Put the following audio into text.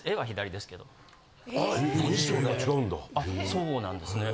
そうなんですね。